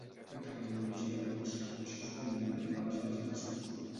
En terminologia de boxa, això es denomina "abast dels braços".